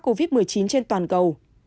các ca mắc covid một mươi chín trên toàn cầu